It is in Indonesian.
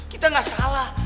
kita gak salah